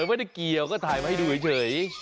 ไม่ได้เกี่ยวก็ถ่ายมาให้ดูเฉย